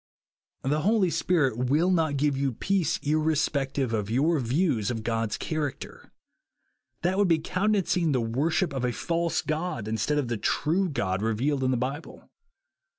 The Holy Spirit will not give you peace irre spective of your views of God's character. hat would be countenancing the worship of a false god instead of the true God re» vealed in the Bible.